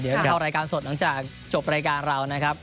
เดี๋ยวรอรายการสดหลังจากจบรายการเรานะครับ